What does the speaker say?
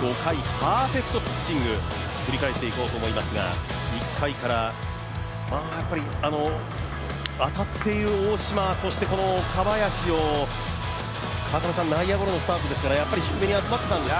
５回、パーフェクトピッチング振り返っていこうと思うんですが１回から当たっている大島、そしてこの岡林を川上さん、内野ゴロですからやっぱり、低めに集まっていたんですね。